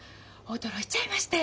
驚いちゃいましたよ。